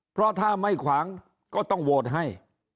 เพราะถ้าไม่ขวางก็ต้องโหวตให้